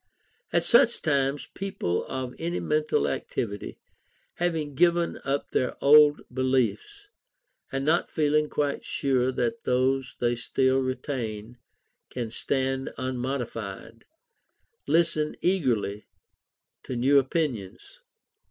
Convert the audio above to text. At such times people of any mental activity, having given up their old beliefs, and not feeling quite sure that those they still retain can stand unmodified, listen eagerly to new opinions.